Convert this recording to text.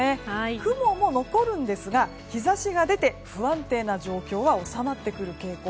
雲も残るんですが日差しが出て不安定な状況は収まってくる傾向。